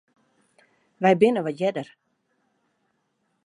Wy binne wat earder.